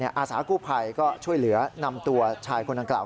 อาสากู้ภัยก็ช่วยเหลือนำตัวชายคนดังกล่าว